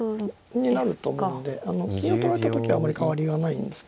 になると思うんであの金を取られた時はあまり変わりはないんですけど。